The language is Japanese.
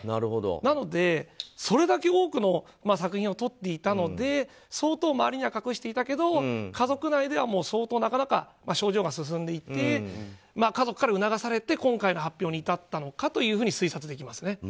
なので、それだけ多くの作品を撮っていたので相当、周りには隠していたけど家族内では相当、症状が進んでいて家族から促されて今回の発表に至ったのかというふうに推察できますね。